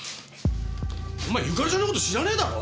お前ユカリちゃんの事知らねえだろ？